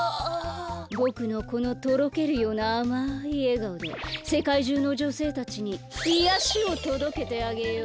ぼくのこのとろけるようなあまいえがおでせかいじゅうのじょせいたちにいやしをとどけてあげよう。